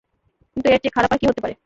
কিন্তু এর চেয়ে খারাপ আর কী হতে পারে?